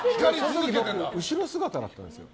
後ろ姿だったんですよ。